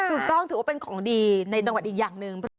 ถูกต้องถือว่าเป็นของดีในจังหวัดอีกอย่างหนึ่ง